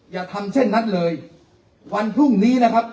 อย่าทำเช่นนั้นเลยวันพรุ่งนี้นะครับ